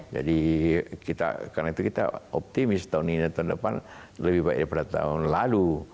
jadi karena itu kita optimis tahun ini dan tahun depan lebih baik daripada tahun lalu